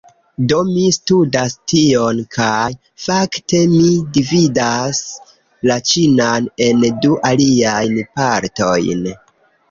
Do, mi studas tion kaj, fakte, mi dividas la ĉinan en du aliajn partojn